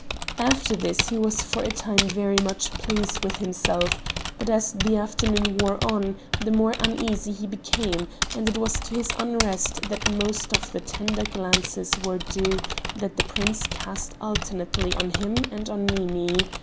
After this he was for a time very much pleased with himself; but, as the afternoon wore on, the more uneasy he became, and it was to this unrest that most of the tender glances were due that the prince cast alternately on him and on Nini.